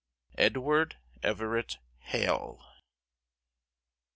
EDWARD EVERETT HALE.